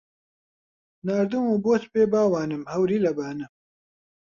ناردوومە بۆت بێ باوانم هەوری لە بانە